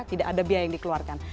tidak ada biaya yang dikeluarkan